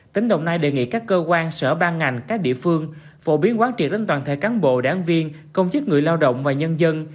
tỉnh đồng nai đề nghị các cơ quan sở ban ngành các địa phương phổ biến quán triệt đến toàn thể cán bộ đáng viên công chức người lao động và nhân dân